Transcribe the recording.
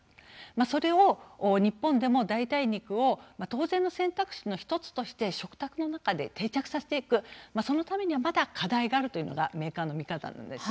それを日本でも代替肉を当然の選択肢の１つとして食卓の中に定着させていくそのためにはまだ課題があるというのがメーカーの見方なんです。